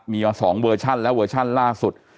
มีมา๒เวอร์ชั่นและเวอร์ชั่นล่าสุด